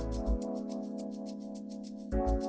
perubahan iklim di laut timika